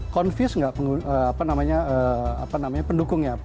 confuse nggak pendukungnya